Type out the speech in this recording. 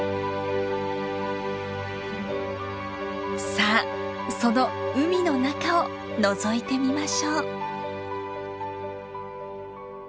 さあその海の中をのぞいてみましょう。